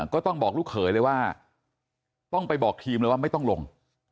ก็ต้องบอกลูกเขยเลยว่าต้องไปบอกทีมเลยว่าไม่ต้องลง